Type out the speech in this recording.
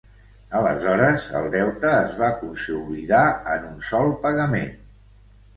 Aleshores, el deute es va "consolidar" en un sol pagament.